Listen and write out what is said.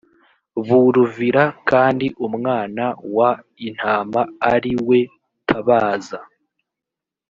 buruvira kandi umwana w intama ari we tabaza